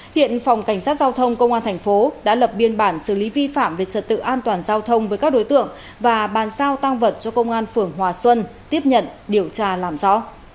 hiện phòng cảnh sát giao thông công an thành phố đã lập biên bản xử lý vi phạm về trật tự an toàn giao thông với các đối tượng và bàn sao tăng vật cho công an phường hòa xuân tiếp nhận điều tra làm rõ